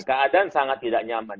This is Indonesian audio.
keadaan sangat tidak nyaman